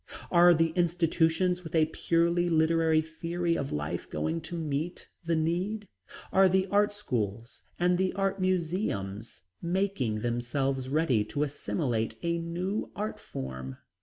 Are the institutions with a purely literary theory of life going to meet the need? Are the art schools and the art museums making themselves ready to assimilate a new art form?